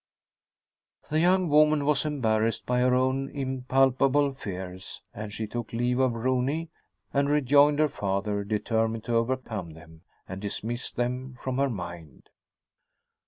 The young woman was embarrassed by her own impalpable fears, and she took leave of Rooney and rejoined her father, determined to overcome them and dismiss them from her mind.